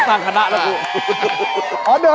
ไม่เชื่อ